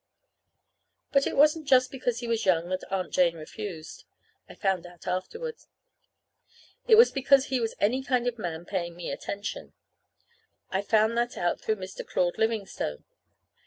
But it wasn't just because he was young that Aunt Jane refused. I found out afterward. It was because he was any kind of a man paying me attention. I found that out through Mr. Claude Livingstone.